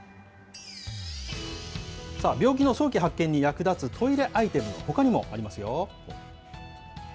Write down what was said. さあ、病気の早期発見に役立つトイレアイテムはほかにもありますよ。